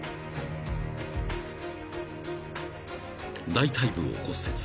［大腿部を骨折］